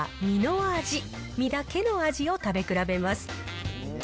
身だけの味を食べ比べます。